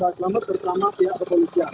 dan dihubungi dengan pihak kepolisian